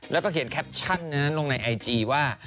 แล้วก็เขียนแคปชั่นลงในไอจีว่า